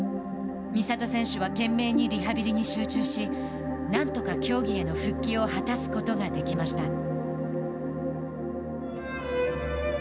美里選手は懸命にリハビリに集中しなんとか競技への復帰を果たすことができました。